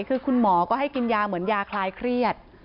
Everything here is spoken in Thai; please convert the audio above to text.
คือคุณหมอก็ให้กินยาเหมือนยาคลายเครียด